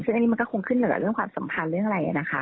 ซึ่งอันนี้มันก็คงขึ้นเหนือเรื่องความสัมพันธ์เรื่องอะไรนะคะ